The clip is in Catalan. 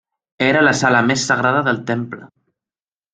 Era la sala més sagrada del Temple.